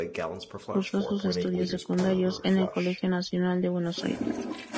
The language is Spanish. Cursó sus estudios secundarios en el Colegio Nacional de Buenos Aires.